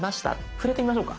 触れてみましょうか。